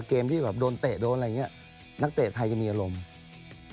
เกมที่แบบโดนเตะโดนอะไรอย่างเงี้ยนักเตะไทยจะมีอารมณ์